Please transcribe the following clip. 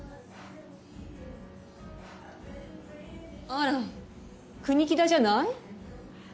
あら国木田じゃない？